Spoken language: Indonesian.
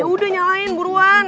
yaudah nyalain buruan